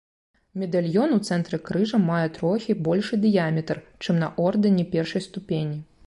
Медальён у цэнтры крыжа мае трохі большы дыяметр, чым на ордэне першай ступені.